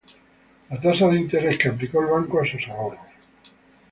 La tasa de interés que aplicó el banco a sus ahorros